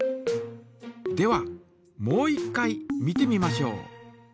ではもう一回見てみましょう。